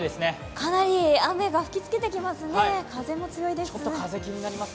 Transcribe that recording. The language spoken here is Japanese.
かなり雨が吹きつけていますね、風も強いです。